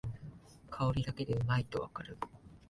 香りだけでうまいとわかる